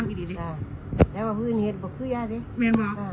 น้ำอีกนิดนิดอ่าแล้ววิ่งเงียดบกขึ้นอ่ะสิแม่งมากอ่า